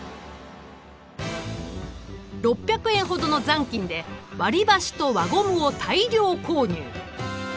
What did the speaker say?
６００円ほどの残金で割りばしと輪ゴムを大量購入。